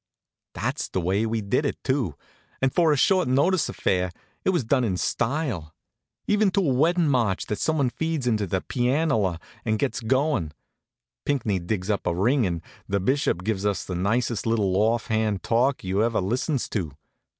That's the way we did it, too; and for a short notice affair, it was done in style; even to a weddin' march that someone feeds into the pianola and sets goin'. Pinckney digs up a ring, and the bishop gives us the nicest little off hand talk you ever listens to.